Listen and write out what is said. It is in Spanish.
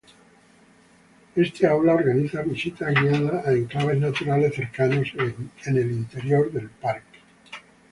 Esta aula organiza visitas guiadas a enclaves naturales cercanos, en el interior del parque.